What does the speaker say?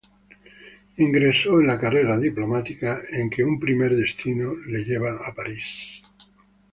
Ingresó en la carrera diplomática, en que un primer destino le lleva a París.